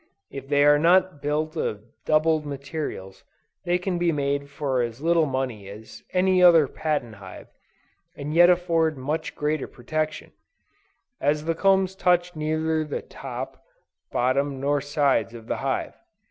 If they are not built of doubled materials they can be made for as little money as any other patent hive, and yet afford much greater protection; as the combs touch neither the top, bottom nor sides of the hive.